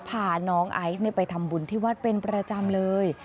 พาน้องไอซ์ไปทำบุญที่วัดเป็นประจำเลย